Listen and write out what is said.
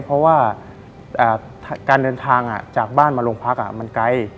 เพราะว่าการเดินทางจากบ้านมาโรงพักมันไกล